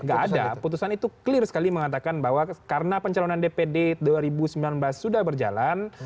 gak ada putusan itu clear sekali mengatakan bahwa karena pencalonan dpd dua ribu sembilan belas sudah berjalan